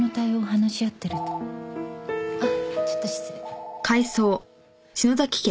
あっちょっと失礼。